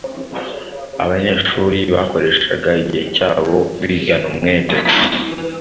Abanyeshuri bakoreshaga igihe cyabo bigana umwete